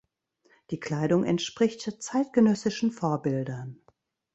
Die Kleidung entspricht zeitgenössischen Vorbildern.